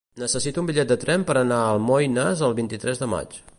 Necessito un bitllet de tren per anar a Almoines el vint-i-tres de maig.